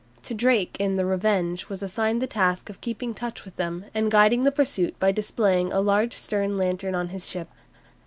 To Drake in the "Revenge" was assigned the task of keeping touch with them and guiding the pursuit by displaying a large stern lantern on his ship.